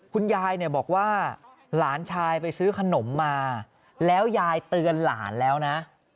คุณยายเนี่ยบอกว่าหลานชายไปซื้อขนมมาแล้วยายเตือนหลานแล้วนะ